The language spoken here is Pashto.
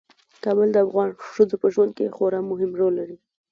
کابل د افغان ښځو په ژوند کې خورا مهم رول لري.